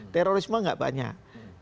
terorisme tidak banyak